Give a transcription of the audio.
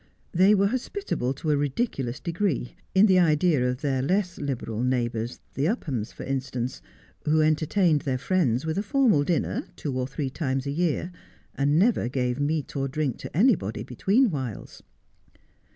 They were hospitable to a ridiculous degree — in the idea of their less liberal neighbours, the Uphams, for instance, who entertained their friends with a formal dinner two or three times a year, and never gave meat or drink to anybody between whiles.